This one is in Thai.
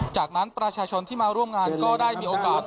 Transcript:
จากนั้นประชาชนที่มาร่วมงานก็ได้มีโอกาส